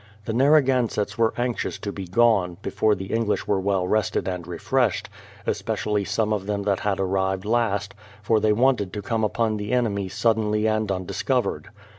The Narragansetts were anxious to be gone, before the English were well rested and refreshed, especially some of them that had arrived last, for they wanted to come upon the enemy suddenly and undiscov ered.